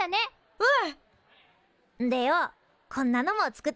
うん。